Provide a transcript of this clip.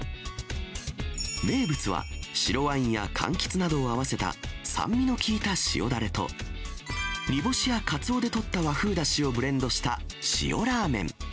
名物は、白ワインやかんきつなどを合わせた、酸味の効いた塩だれと煮干しやカツオでとった和風だしをブレンドした塩ラーメン。